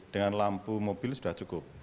dengan lampu mobil sudah cukup